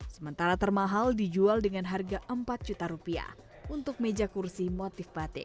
sementara termahal dijual dengan harga rp empat untuk meja kursi motif batik